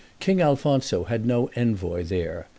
King Alfonso had no envoy there.